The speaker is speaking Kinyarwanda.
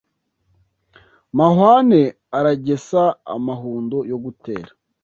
Mahwane aragesa amahundo yo gutera